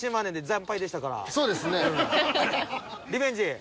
リベンジ。